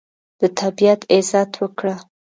د طبیعت عزت وکړه.